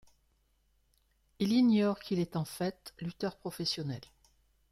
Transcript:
Il ignore qu'il est en fait lutteur professionnel.